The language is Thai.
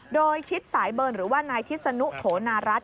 โดยชิดสายเบิร์นหรือว่านายทิศนุโถนารัฐ